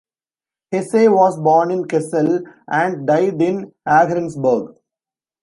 Hasse was born in Kassel, and died in Ahrensburg.